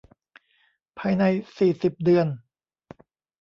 ภายใน สี่สิบ เดือน